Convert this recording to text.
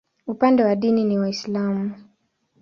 Upande wa dini ni Waislamu.